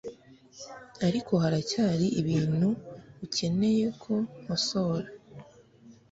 ariko haracyari ibintu ukeneye ko nkosora